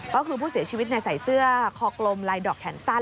ก็คือผู้เสียชีวิตใส่เสื้อคอกลมลายดอกแขนสั้น